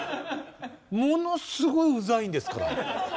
ものすごいウザいんですから。